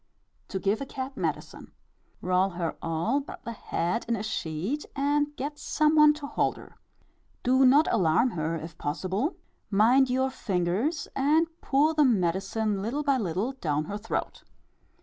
To give a cat medicine. Roll her all but the head in a sheet, and get some one to hold her. Do not alarm her if possible mind your fingers and pour the medicine little by little down her throat.